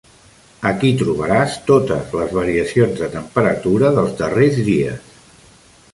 Aquí trobaràs totes les variacions de temperatura dels darrers dies.